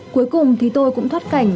cuối cùng thì tôi cũng thoát cảnh